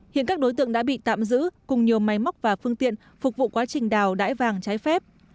hiện các đối tượng đã bị tạm giữ cùng nhiều máy móc và phương tiện phục vụ quá trình đào đải vàng trái phép